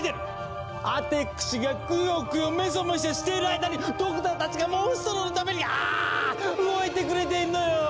アテクシがクヨクヨメソメソしている間にドクターたちがモンストロのためにあぁ動いてくれているのよ！